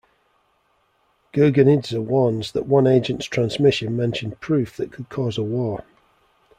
Gurgenidze warns that one agent's transmission mentioned proof that could cause a war.